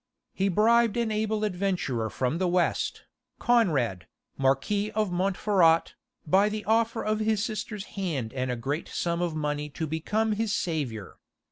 He bribed an able adventurer from the West, Conrad, Marquis of Montferrat, by the offer of his sister's hand and a great sum of money to become his saviour.